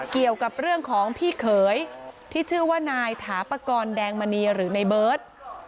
เกี่ยวกับเรื่องของพี่เขยที่ชื่อว่านายถาปกรณ์แดงมณีหรือในเบิร์ต